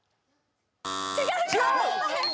違う